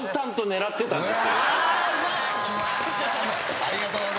ありがとうございます。